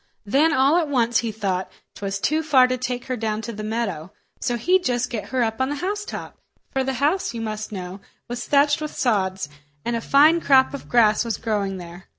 Then all at once he thought 'twas too far to take her down to the meadow, so he'd just get her up on the housetop—for the house, you must know, was thatched with sods, and a fine crop of grass was growing there.